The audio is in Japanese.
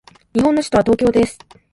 日本の首都は東京です。